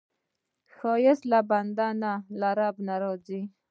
ښایست له بنده نه، له رب نه راځي